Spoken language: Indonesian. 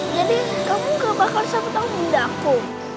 jadi kamu gak bakal sapu tangan bunda aku